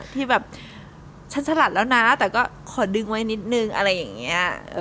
ที่แบบฉันสลัดแล้วนะแต่ก็ขอดึงไว้นิดนึงอะไรอย่างนี้